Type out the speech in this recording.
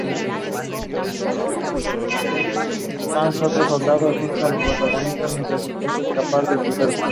Entre otros podemos referir: "¡Cómo nacen los pollitos!